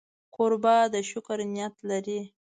کوربه د شکر نیت لري.